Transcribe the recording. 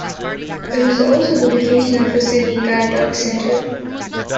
It is also the location of the Sydney Guide Dog Centre.